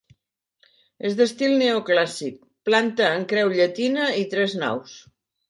És d'estil neoclàssic, planta en creu llatina i tres naus.